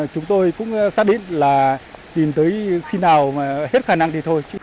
chúng tôi cũng xác định là tìm tới khi nào hết khả năng thì thôi